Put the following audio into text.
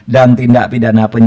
dan tindak pidana asal